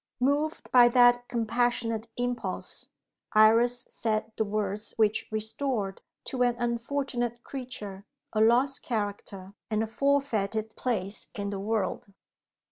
Moved by that compassionate impulse, Iris said the words which restored to an unfortunate creature a lost character and a forfeited place in the world.